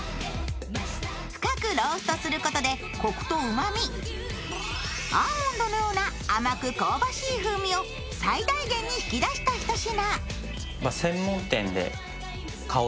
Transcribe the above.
深くローストすることでコクとうまみ、アーモンドのような甘く香ばしい風味を最大限に引き出したひと品。